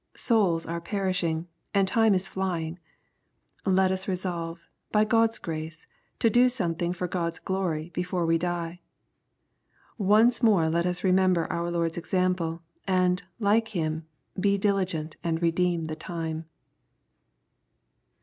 Souls are perishing, and time is flying. Let us resolve, by God's grace, to do something for God's glory before we die. Once more let us remember our Lord's example, and, like Him, be diligent and "redeem the time."